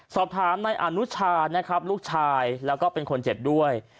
สอบถามนายอนุชานะครับลูกชายแล้วก็เป็นคนเจ็บด้วย